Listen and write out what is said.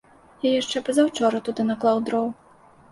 Я яшчэ пазаўчора туды наклаў дроў.